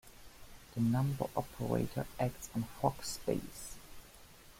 The number operator acts on Fock space.